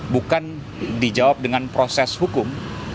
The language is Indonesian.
bukan dijawab dengan proses hukum